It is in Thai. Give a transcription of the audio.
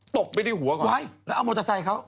บไปที่หัวเขาไว้แล้วเอามอเตอร์ไซค์เขา